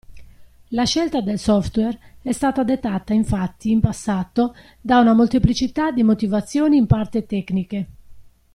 La scelta del software è stata dettata infatti in passato da una molteplicità di motivazioni in parte tecniche.